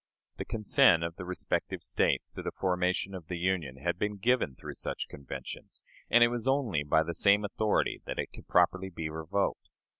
The consent of the respective States to the formation of the Union had been given through such conventions, and it was only by the same authority that it could properly be revoked.